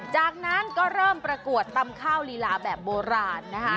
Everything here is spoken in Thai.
จากนั้นก็เริ่มประกวดตำข้าวลีลาแบบโบราณนะคะ